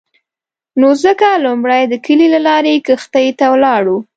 نو ځکه لومړی د کلي له لارې کښتۍ ته ولاړو.